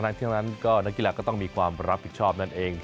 ทั้งนั้นก็นักกีฬาก็ต้องมีความรับผิดชอบนั่นเอง